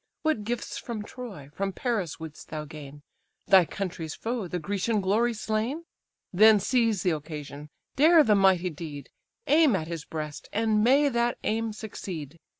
What gifts from Troy, from Paris wouldst thou gain, Thy country's foe, the Grecian glory slain? Then seize the occasion, dare the mighty deed, Aim at his breast, and may that aim succeed!